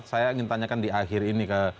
saya ingin tanyakan di akhir ini ke